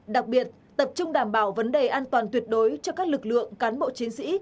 đặc biệt tập trung đảm bảo vấn đề an toàn tuyệt đối cho các lực lượng cán bộ chiến sĩ